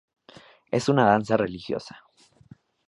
Es una danza religiosa.